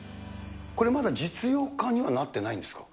これまだ実用化にはなってないんですか。